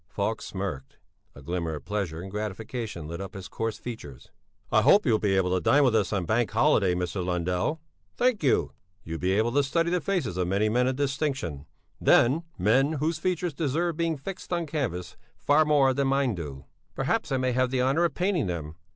Falk smirked; a glimmer of pleasure and gratification lit up his coarse features. "I hope you'll be able to dine with us on bank holiday, Mr. Lundell?" "Thank you...." "You'll be able to study the faces of many men of distinction, then, men whose features deserve being fixed on canvas far more than mine do." "Perhaps I may have the honour of painting them?"